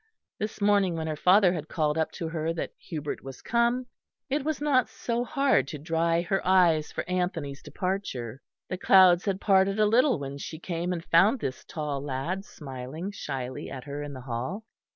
This morning when her father had called up to her that Hubert was come, it was not so hard to dry her tears for Anthony's departure. The clouds had parted a little when she came and found this tall lad smiling shyly at her in the hall.